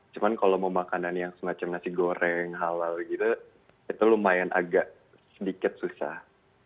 cuma kalau mau makanan yang semacam nasi goreng halal gitu itu lumayan agak sedikit susah